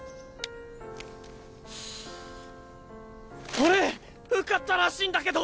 俺受かったらしいんだけど！